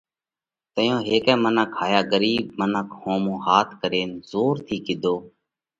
تئيون هيڪئہ منک هائيا ڳرِيٻ منک ۿومو هاٿ ڪرينَ زور ٿِي ڪِيڌو: